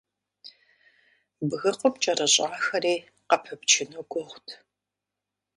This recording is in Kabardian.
Бгыкъум кӀэрыщӀахэри къыпыпчыну гугъут.